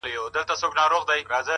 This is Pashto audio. فکر د ژوند مسیر ټاکي